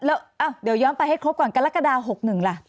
แล้วเดี๋ยวย้อนไปให้ครบก่อนกรกฎา๖๑ล่ะ